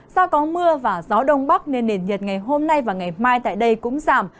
do có mưa và gió đông bắc nên nền nhiệt ngày hôm nay và ngày mai tại đây cũng giảm